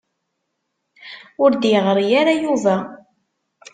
Ur d-yeɣri ara Yuba.